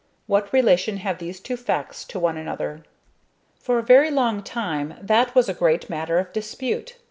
What relation have these two facts to one another? For a very long time that was a great matter of dispute.